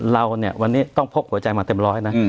เราเนี่ยวันนี้ต้องพกหัวใจมาเต็มร้อยนะ